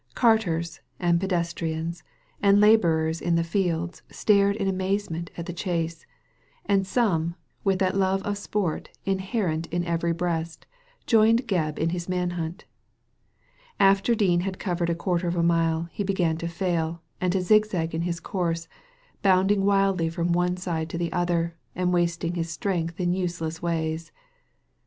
Carters, and pedestrians, and labourers in the fields stared in amazement at the chase, and some, with that love of sport inherent in every breast, joined Gebb In his man hunt After Dean had covered a quarter of a mile he began to fail, and to zigzag in his course, bounding wildly from one side to the other, and wasting his strength in useless ways.